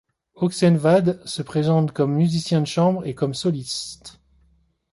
Oxenvad se présente comme musicien de chambre et comme soliste.